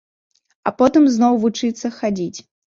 А потым зноў вучыцца хадзіць.